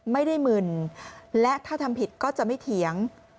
ไม่ได้หมื่นและถ้าทำผิดก็จะไม่เถียง